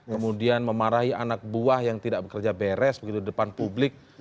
kemudian memarahi anak buah yang tidak bekerja beres begitu di depan publik